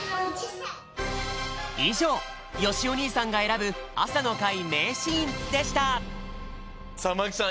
いじょうよしお兄さんがえらぶあさのかいめいシーンでしたさあ真木さん